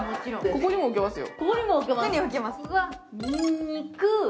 ここにも置けますよ。